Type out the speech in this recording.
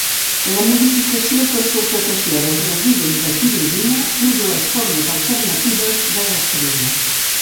La modificació per sulfatació dels residus de tirosina produeix formes alternatives de gastrina.